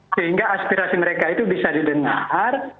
sehingga aspirasi mereka itu bisa didengar